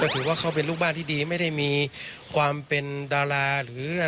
ขอบคุณทุกสื่อที่ส่งมาให้โอโนเฟอร์เรเวอร์